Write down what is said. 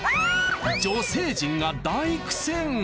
女性陣が大苦戦。